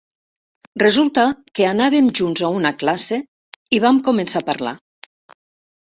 Resulta que anàvem junts a una classe i vam començar a parlar.